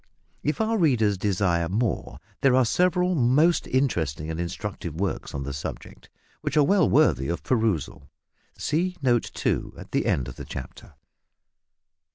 If our readers desire more there are several most interesting and instructive works on the subject, which are well worthy of perusal. See note 2 at the end of the chapter.